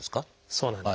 そうなんです。